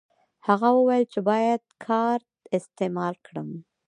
هغه وویل چې باید کارت استعمال کړم.